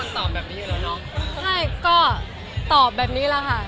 ใช่ก็ตอบแบบนี้แหละค่ะ